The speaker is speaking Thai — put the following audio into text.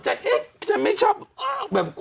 แต่แค่เพื่อนอีกจะไม่ชอบแบบให้ทั้งสุร